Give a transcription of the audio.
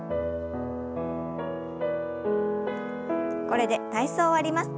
これで体操を終わります。